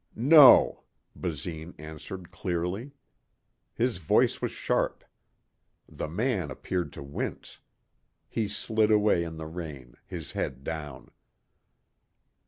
"No," Basine answered clearly. His voice was sharp. The man appeared to wince. He slid away in the rain, his head down.